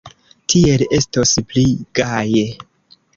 Tiel estos pli gaje.